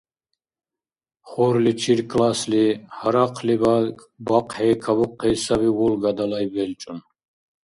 Хорличил классли «Гьарахълибад бахъхӀи кабухъи саби Волга» далай белчӀун.